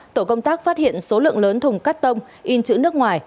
tổ công tác phát hiện số lượng lớn thùng cắt tông in chữ nước ngoài